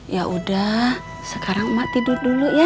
ya udah sekarang emak tidur dulu ya